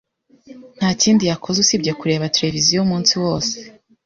Nta kindi yakoze usibye kureba televiziyo umunsi wose.